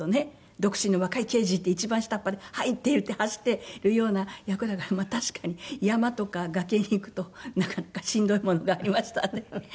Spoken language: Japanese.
独身の若い刑事って一番下っ端ではい！って言って走っているような役だから確かに山とか崖に行くとなかなかしんどいものがありましたね。